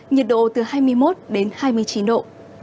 nhiệt độ từ hai mươi một đến hai mươi chín độ